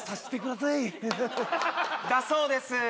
だそうです